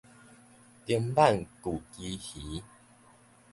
丁挽舊旗魚